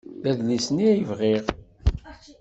D adlis-nni ay bɣiɣ.